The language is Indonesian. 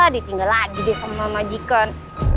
ditinggal lagi deh semua majikan